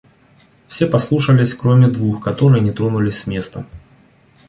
Все послушались, кроме двух, которые не тронулись с места.